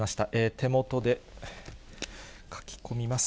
手元で書き込みます。